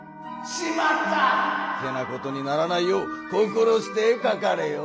「しまった！」ってなことにならないよう心してかかれよ。